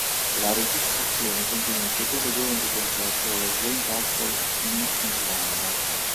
La registrazione contiene il secondo giorno di concerto allo Slane Castle in Irlanda.